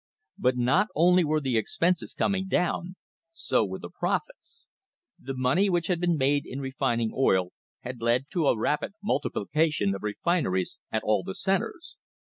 But not only were the expenses coming down; so were the profits. The money which had been made in refining oil had led to a rapid multi plication of refineries at all the centres.